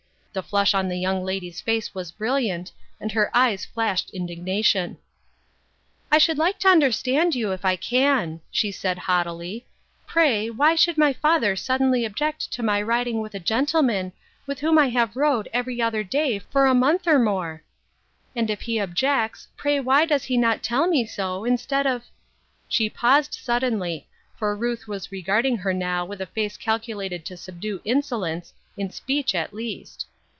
The flush on the young lady's face was brilliant, and her eyes flashed indignation. " I should like to understand you if I can," she 48 UNWELCOME RESPONSIBILITIES. said haughtily. " Tray, why should my father suddenly object to my riding with a gentleman with whom I have rode every other day for a month or more ? And if he objects, pray why does he not tell me so, instead of" — She paused suddenly, for Ruth was regarding her now with a face calculated to subdue insolence in speech at least.